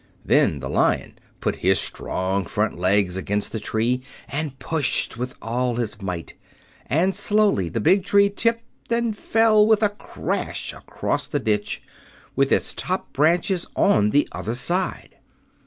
Then the Lion put his strong front legs against the tree and pushed with all his might, and slowly the big tree tipped and fell with a crash across the ditch, with its top branches on the other side.